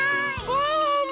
ワンワンも！